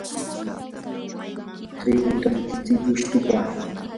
triguta nititsi llustupa.